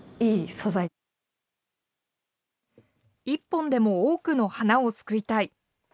１本でも多くの花を救いたい。